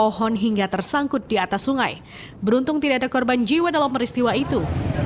pohon hingga tersangkut di atas sungai beruntung tidak ada korban jiwa dalam peristiwa itu